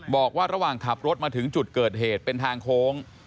บอกว่าระหว่างขับรถมาถึงจุดเกิดเหตุเป็นทางโค้ง